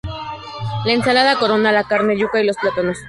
La ensalada corona la carne, yuca y los plátanos.